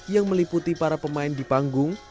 yang meliputi para pemain di panggung